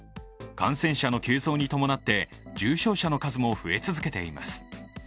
感染者の急増に伴って重症者の数も増え続けています。